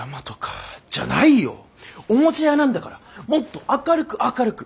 おもちゃ屋なんだからもっと明るく明るく！